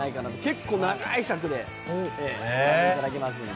結構長い尺でご覧いただけますので。